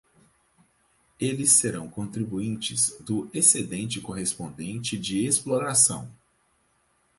Eles serão contribuintes do excedente correspondente de exploração.